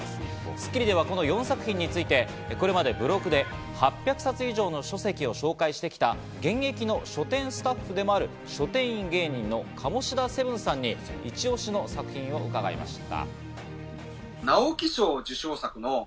『スッキリ』ではこの４作品についてこれまでブログで８００冊以上の書籍を紹介してきた現役の書店スタッフでもある書店員芸人のカモシダせぶんさんにイチ押しの作品を聞いてまいりました。